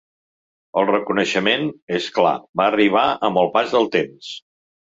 El reconeixement, és clar, va arribar amb el pas del temps.